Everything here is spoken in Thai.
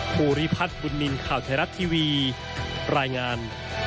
ภูริพัฒน์บุญนินทร์ข่าวไทยรัฐทีวีรายงาน